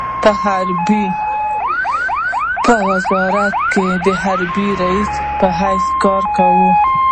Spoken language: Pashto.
په حرب په وزارت کې د حربي رئيس په حیث کار کاوه.